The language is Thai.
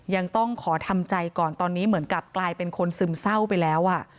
ยังต้องขอทำใจก่อนตอนนี้เหมือนกับกลายเป็นคนซึมเศร้าไปแล้ว